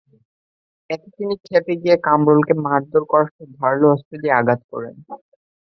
এতে তিনি খেপে গিয়ে কামরুলকে মারধর করাসহ ধারালো অস্ত্র দিয়ে আঘাত করেন।